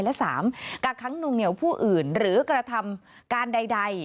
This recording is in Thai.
และ๓กักค้างนุ่งเหนียวผู้อื่นหรือกระทำการใด